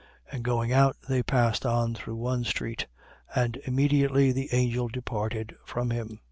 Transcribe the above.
And going out, they passed on through one street. And immediately the angel departed from him.